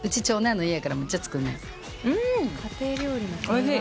おいしい。